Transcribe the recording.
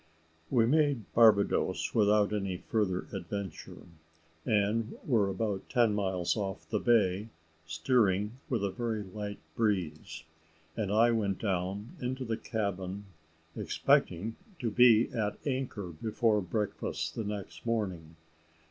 We made Barbadoes without any further adventure, and were about ten miles off the bay, steering with a very light breeze, and I went down into the cabin expecting to be at anchor before breakfast the next morning.